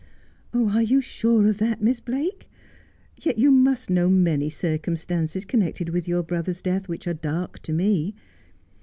'Are you sure of that, Miss Blake? Yet you must know many circumstances connected with your brother's death which are dark to me.